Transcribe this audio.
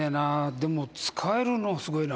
「でも、使えるのがすごいな」